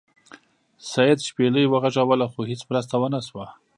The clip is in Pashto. سید شپیلۍ وغږوله خو هیڅ مرسته ونه شوه.